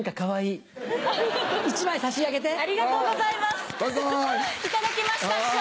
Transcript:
いただきました師匠。